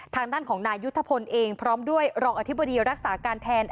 ทางด้านของนายยุทธพลเองพร้อมด้วยรองอธิบดีรักษาการแทน